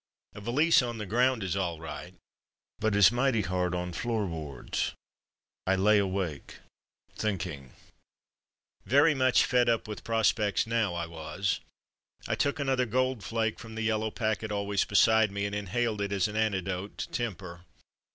A valise on the ground is all right, but is mighty hard on floor boards. I lay awake, thinking. Very much fed up with prospects now, I was. I took another Gold Flake from the yellow packet always beside me, and inhaled it as an antidote to temper.